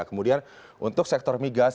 kemudian untuk sektor migas